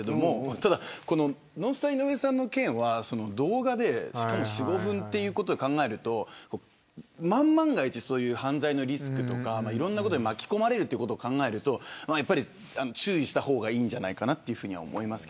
ただ、ノンスタの井上さんの件は動画で４、５分と考えると万が一犯罪のリスクとかいろいろなことに巻き込まれるということを考えると注意した方がいいと思います。